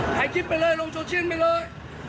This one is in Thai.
ถ่ายคลิปไปเลยลงชูชื่นไปเลย